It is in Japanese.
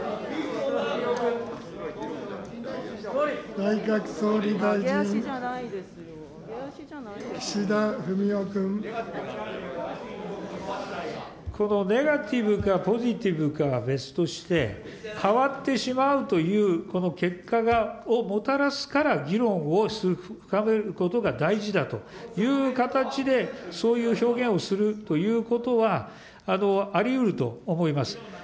内閣総理大臣、このネガティブかポジティブかは別として、変わってしまうというこの結果をもたらすから議論を深めることが大事だという形で、そういう表現をするということは、ありうると思います。